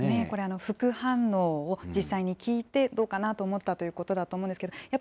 これ、副反応を実際に聞いて、どうかなと思ったということだと思うんですけれども。